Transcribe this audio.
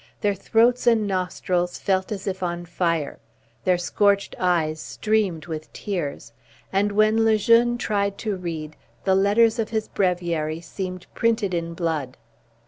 Their throats and nostrils felt as if on fire; their scorched eyes streamed with tears; and when Le Jeune tried to read, the letters of his breviary seemed printed in blood.